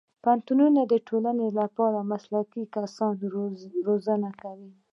پوهنتون د ټولنې لپاره د مسلکي کسانو روزنه کوي.